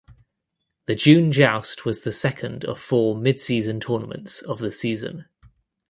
The June Joust was the second of four midseason tournaments of the season.